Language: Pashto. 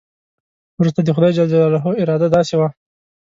وروسته د خدای جل جلاله اراده داسې وه.